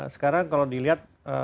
sekarang kalau dilihat